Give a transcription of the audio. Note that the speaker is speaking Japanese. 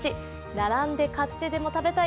並んで買ってでも食べたい。